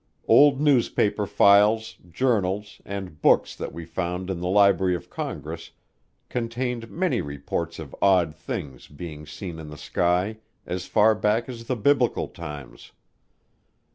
Old newspaper files, journals, and books that we found in the Library of Congress contained many reports of odd things being seen in the sky as far back as the Biblical times.